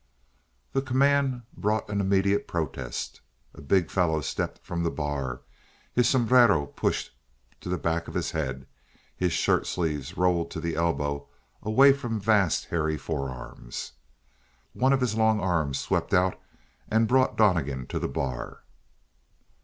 The command brought an immediate protest. A big fellow stepped from the bar, his sombrero pushed to the back of his head, his shirt sleeves rolled to the elbow away from vast hairy forearms. One of his long arms swept out and brought Donnegan to the bar.